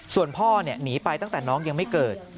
ส่วนพ่อหนีไปตั้งแต่น้องยังไม่เกิด